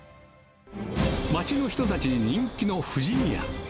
街の人たちに人気の富士見屋。